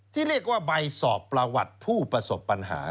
ที่เรียกว่าใบสอบประวัติผู้ประสบปัญหา